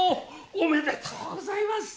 おめでとうございます！